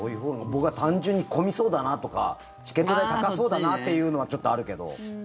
僕は単純に混みそうだなとかチケット代、高そうだなっていうのはちょっとあるけど。